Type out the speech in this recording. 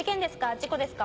事故ですか？